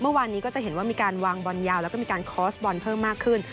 เมื่อวานนี้ก็จะเห็นว่ามีการวางบอลยาวและมีการซื้อดประสิทธิ์เพิ่งมากขึ้น